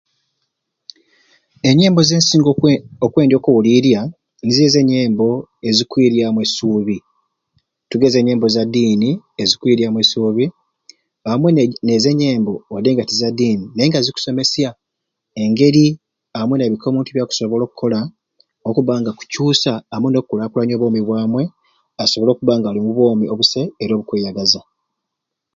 Enyembo zensinga okwe okwendya okuwuliira nizo enyembo ezikuiryamu esuubi tugeze enyembo za dini, ezikwiryamu esuubi, amwei ne nezo enyembo wadenga tiza'dini nayenga zikusomesya engeri amwei nebiki omuntu byakusobola okola okubanga akukyusa amwei nokulakulanya obwoomi bwamwei asobole okubanga ali omubwomi obusai era obukweyagaza.